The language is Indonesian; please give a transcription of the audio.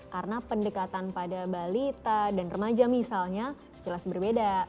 karena pendekatan pada balita dan remaja misalnya jelas berbeda